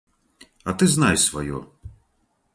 А ты знай сваё.